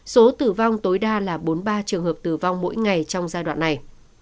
số tử vong tối đa là bốn mươi ba trường hợp tử vong mỗi ngày trong giai đoạn này